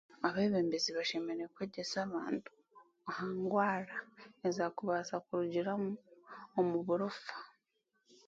Abeebembezi bashemereire kwegyesa abantu aha ngwara ezaakubaasa kurugiramu omu burofa